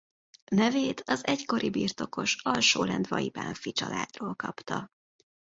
Nevét az egykori birtokos Alsólendvai Bánffy családról kapta.